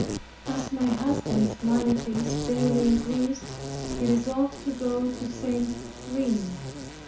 As my husband's maladies daily increased, he resolved to go to St. Reine.